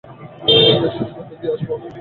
ওকে স্ট্যাচুর ভেতরে নিয়ে আসবো আমি।